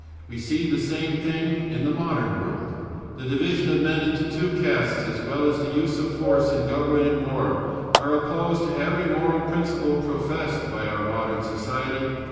We see the same thing in our modern world. The division of men into two castes, as well as the use of force in government and war, are opposed to every moral principle professed by our modern society.